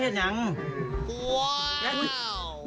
ยาย้านหน่อย